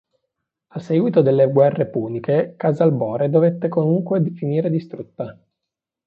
A seguito delle guerre puniche Casalbore dovette comunque finire distrutta.